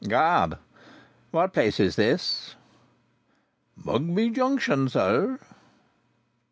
What place is this?" "Mugby Junction, sir."